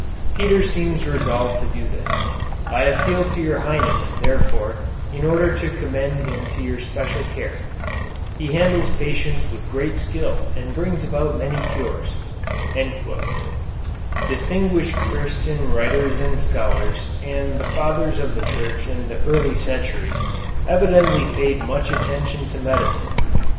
Peter seems resolved to do this. I appeal to your highness, therefore, in order to commend him to your special care. He handles patients with great skill and brings about many cures." Distinguished Christian writers and scholars, and the Fathers of the Church in the early centuries, evidently paid much attention to medicine.